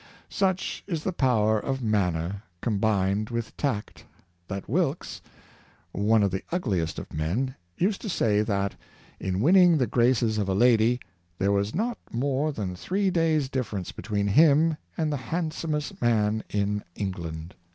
Such is the power of manner, combined with tact, that Wilkes, one of the ugliest of men, used to say that,, in winning the graces of a lady, there was not more than three days' difference between him and the hand somest man in England.